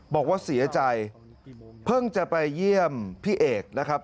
บอกว่าเสียใจเพิ่งจะไปเยี่ยมพี่เอกนะครับ